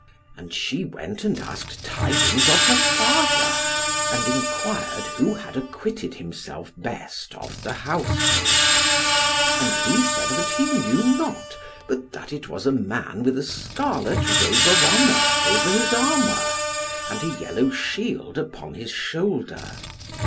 And she went and asked tidings of her father, and enquired who had acquitted himself best of the household. And he said that he knew not, but that it was a man with a scarlet robe of honour over his armour, and a yellow shield upon his shoulder.